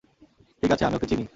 ঠিক আছে, আমি ওকে চিনি।